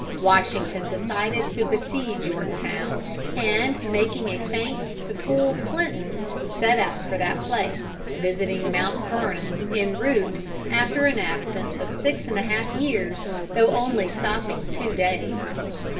Washington decided to besiege Yorktown, and, making a feint to fool Clinton, set out for that place, visiting Mount Vernon en route after an absence of six and a half years, though only stopping two days.